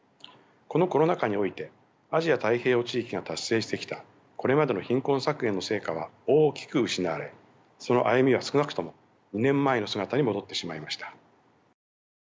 このコロナ禍においてアジア・太平洋地域が達成してきたこれまでの貧困削減の成果は大きく失われその歩みは少なくとも２年前の姿に戻ってしまいました。